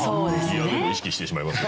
嫌でも意識してしまいます。